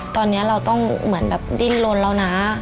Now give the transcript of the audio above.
ตอนนี้เราต้องเหมือนแบบดิ้นลนแล้วนะ